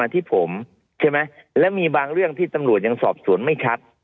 ที่ผมนั่งอยู่นี้ไง